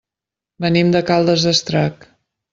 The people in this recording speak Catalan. Venim de Caldes d'Estrac.